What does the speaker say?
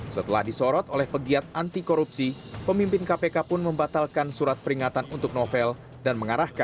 setelah disorot oleh pegiat anti korupsi pemimpin kpk pun membatalkan surat peringatan untuk novel dan mengarahkan